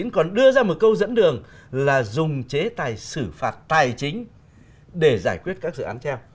còn đưa ra một câu dẫn đường là dùng chế tài xử phạt tài chính để giải quyết các dự án treo